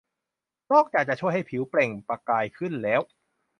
นอกจากจะช่วยให้ผิวเปล่งประกายขึ้นแล้ว